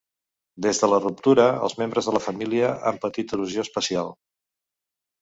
Des de la ruptura, els membres de la família han patit erosió espacial.